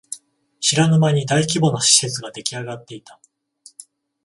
知らぬ間に大規模な施設ができあがっていた